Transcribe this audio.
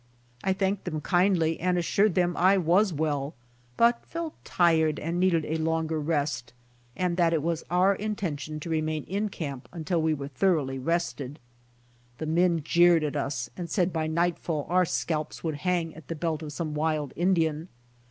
I thanked them kindly and assured them I was well, but felt tired and needed a longer rest, and that it was our intention to remain in camp until we were thoroughly rested. The men jeered at us and said by nightfall our scalps would hang at the belt of some wild Indian.